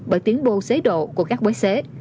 bởi tiến bô xế độ của các quái xế